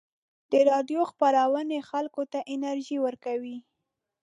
د راډیو خپرونې خلکو ته انرژي ورکوي.